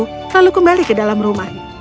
lalu kembali ke dalam rumah